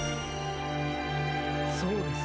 そうですね。